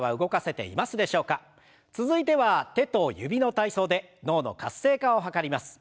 続いては手と指の体操で脳の活性化を図ります。